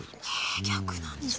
え逆なんですね。